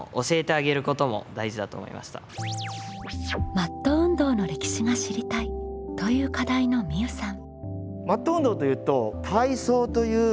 「マット運動の歴史が知りたい」という課題のみうさん。